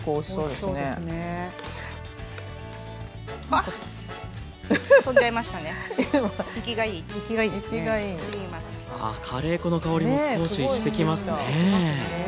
あカレー粉の香りも少ししてきますね。